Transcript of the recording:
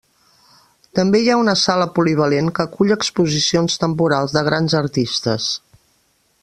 També hi ha una sala polivalent que acull exposicions temporals de grans artistes.